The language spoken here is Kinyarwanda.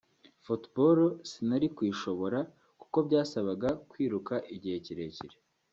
football sinari kuyishobora kuko byasabaga kwiruka igihe kirekire